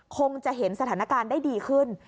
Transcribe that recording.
คงจะเห็นสถานการณ์ได้ดีขึ้น